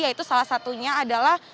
yaitu salah satunya adalah